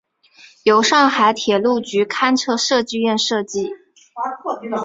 由上海铁路局勘测设计院设计。